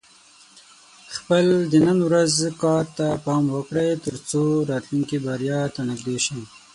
خپل د نن ورځې کار ته پام وکړه، ترڅو راتلونکې بریا ته نږدې شې.